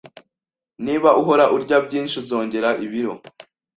Niba uhora urya byinshi, uzongera ibiro.